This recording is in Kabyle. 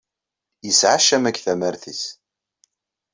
Yesɛa ccama deg tamart-is.